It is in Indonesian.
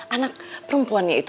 anak perempuannya itu